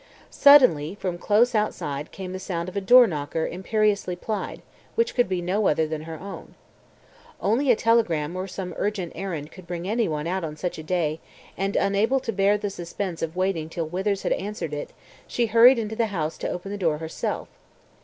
Suddenly from close outside came the sound of a doorknocker imperiously plied, which could be no other than her own. Only a telegram or some urgent errand could bring anyone out on such a day, and unable to bear the suspense of waiting till Withers had answered it, she hurried into the house to open the door herself.